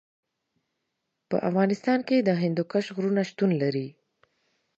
په افغانستان کې د هندوکش غرونه شتون لري.